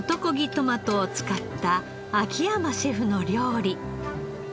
トマトを使った秋山シェフの料理。